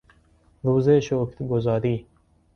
روز شگرگزاری